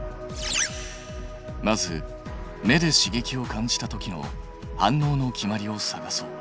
まず目で刺激を感じたときの反応の決まりを探そう。